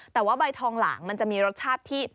แต่ว่าใบทองหลางมันจะมีรสชาติที่